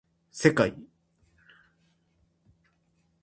せかい